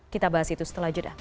kita bahas itu setelah jeda